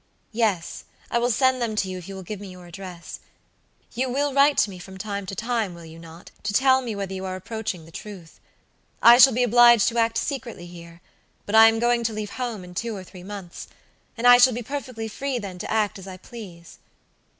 "Yes, I will send them to you if you will give me your address. You will write to me from time to time, will you not, to tell me whether you are approaching the truth. I shall be obliged to act secretly here, but I am going to leave home in two or three months, and I shall be perfectly free then to act as I please."